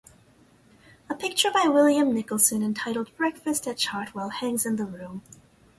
A picture by William Nicholson entitled "Breakfast at Chartwell" hangs in the room.